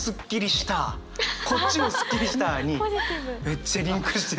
こっちもすっきりしたにめっちゃリンクしてるっていう。